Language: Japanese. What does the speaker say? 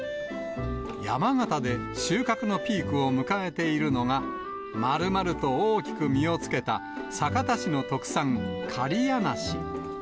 山形で収穫のピークを迎えているのが、まるまると大きく実をつけた、酒田市の特産、刈屋梨。